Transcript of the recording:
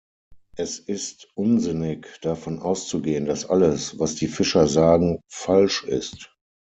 Es ist unsinnig davon auszugehen, dass alles, was die Fischer sagen, falsch ist.